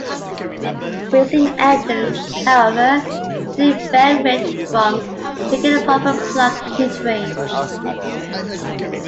Racing engines, however, still benefit from picking a proper plug heat range.